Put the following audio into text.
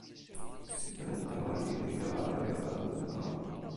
sitelen tawa ni li jo ala jo e unpa?